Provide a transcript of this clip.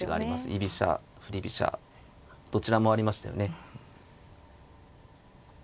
居飛車振り飛車どちらもありましたよね。